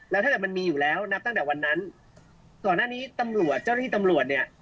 แล้วถ้าเกิดมันมีอยู่แล้วนับตั้งแต่วันนั้นก่อนหน้านี้ตำรวจเจ้าหน้าที่ตำรวจเนี่ย